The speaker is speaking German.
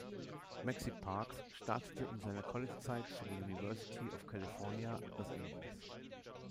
Maxie Parks startete in seiner Collegezeit für die University of California, Los Angeles.